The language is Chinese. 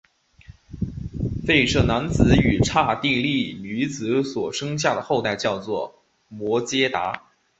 吠舍男子与刹帝利女子所生下的后代叫做摩偈闼。